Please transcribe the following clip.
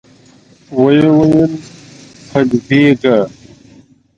ويې ويل: قلي بېګه!